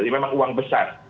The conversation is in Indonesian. jadi memang uang besar